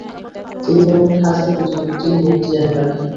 তিনি হলেন খাজা কুতুবউদ্দীন বখতিয়ার কাকী।